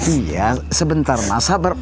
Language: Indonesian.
iya sebentar ma sabar